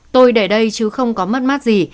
tôi để đây chứ không có mất mắt gì